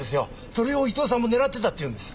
それを伊藤さんも狙ってたって言うんです。